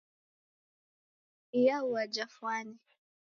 Iyaua jafwane